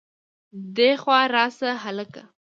دېخوا راشه هلکه